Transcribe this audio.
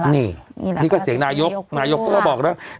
นี่นี่ก็เสียงนายกนายกเขาก็บอกแล้ว